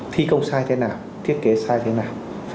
thi công sai thế nào thiết kế sai thế nào